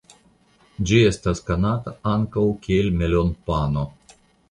Ĝi estas konata ankaŭ kiel "melonpano".